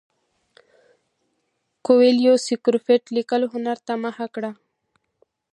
کویلیو د سکرېپټ لیکلو هنر ته مخه کړه.